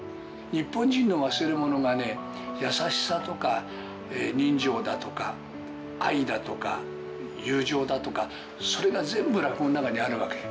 日本人の忘れ物がね、優しさとか人情だとか、愛だとか、友情だとか、それが全部、落語の中にあるわけ。